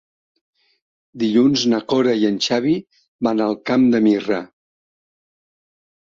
Dilluns na Cora i en Xavi van al Camp de Mirra.